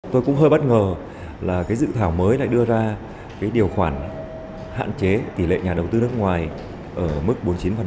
tôi cũng hơi bất ngờ là dự thảo mới lại đưa ra cái điều khoản hạn chế tỷ lệ nhà đầu tư nước ngoài ở mức bốn mươi chín